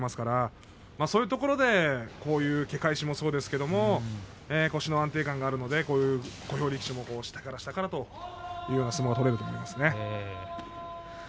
そういうところでこういうけ返しもそうですけれど腰の安定感があるので小兵力士も下から下からという相撲が取れると思います。